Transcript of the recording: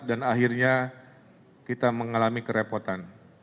dan akhirnya kita mengalami kerepotan